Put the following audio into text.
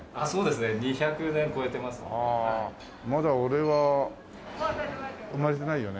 まだ俺は生まれてないよね？